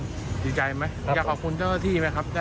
ดีใจไหมอยากขอบคุณเจ้าหน้าที่ไหมครับ